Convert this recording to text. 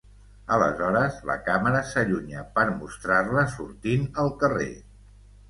Aleshores la càmera s'allunya per mostrar-la sortint al carrer.